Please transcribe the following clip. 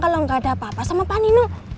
kalau nggak ada apa apa sama pak nino